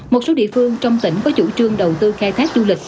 một số địa phương trong tỉnh có chủ trương đầu tư khai thác du lịch